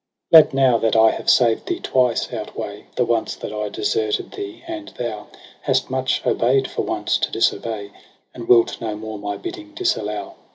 8 * Let now that I have saved thee twice outweigh The once that I deserted thee : and thou Hast much obey'd for once to disobey. And wilt no more my bidding disallow.